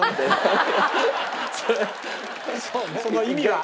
「その意味は？」。